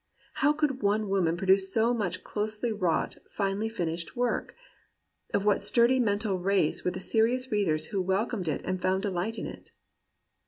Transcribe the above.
How could one woman produce so much closely wrought, finely finished work? Of what sturdy mental race were the serious readers who welcomed it and found delight in it